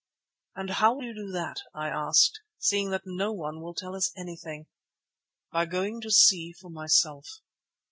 "And how will you do that," I asked, "seeing that no one will tell us anything?" "By going to see for myself."